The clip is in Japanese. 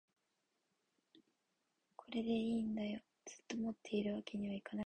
これでいいんだよ、ずっと持っているわけにはいけないからね